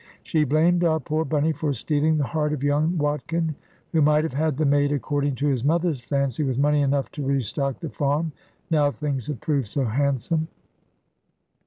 She blamed our poor Bunny for stealing the heart of young Watkin, who might have had the maid (according to his mother's fancy) with money enough to restock the farm, now things had proved so handsome.